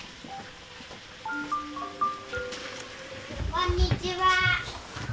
こんにちは！